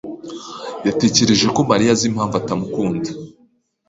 yatekereje ko Mariya azi impamvu atamukunda.